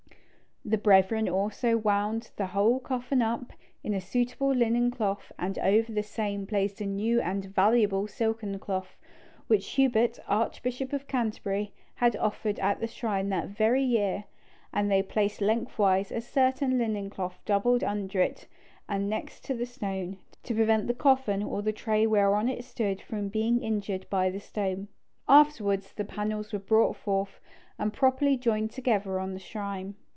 The brethren also wound the whole coffin up in a suitable linen cloth, and over the same placed a new and most valuable silken cloth, which Hubert, Archbishop of Canterbury, had offered at the shrine that very year, and they placed lengthwise a certain linen cloth doubled under it and next to the stone, to prevent the coffin or the tray whereon it stood from being injured by the stone. Afterwards the panels were brought forth, and properly joined together on the shrine.